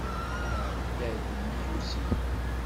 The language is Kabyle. Nɛedda-d nnig usigna.